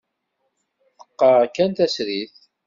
Teqqar kan tasrit.